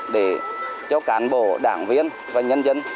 để cho cán bộ đảng viên và nhân dân